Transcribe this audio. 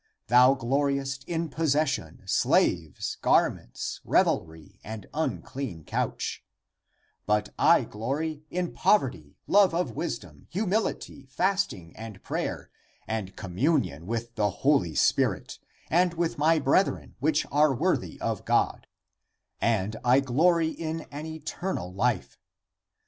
Thou gloriest in possession, slaves, garments, revelry, and unclean couch ; but I glory in poverty, love of wis dom, humility, fasting, and prayer, and communion with the Holy Spirit and with my brethren, which are worthy of God, and I glory in an eternal life.